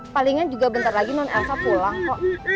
palingnya juga bentar lagi non elsa pulang kok